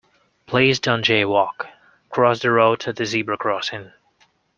Please don't jay-walk: cross the road at the zebra crossing